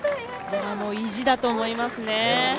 もう意地だと思いますね。